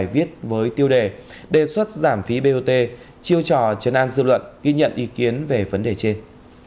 với tiêu đề đề xuất giảm phí bot chiêu trò chấn an dư luận ghi nhận ý kiến về vấn đề trên